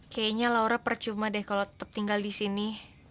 kayaknya laura percuma deh kalau tetap tinggal disini